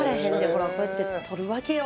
ほらこうやって取るわけよ